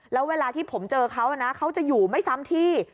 แล้วเวลาที่ผมเจอเขานะเขาจะอยู่ไม่ซ้ำที่